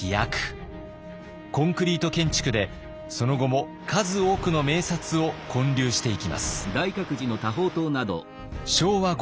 コンクリート建築でその後も数多くの名刹を建立していきます。